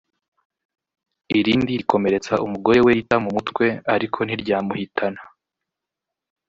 irindi rikomeretsa umugore we Ritha mu mutwe ariko ntiryamuhitana